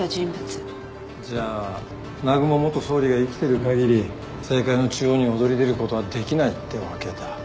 じゃあ南雲元総理が生きてるかぎり政界の中央に躍り出ることはできないってわけだ。